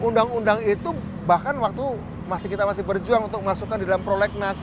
undang undang itu bahkan waktu kita masih berjuang untuk masukkan di dalam prolegnas